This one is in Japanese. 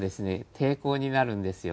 抵抗になるんですよ。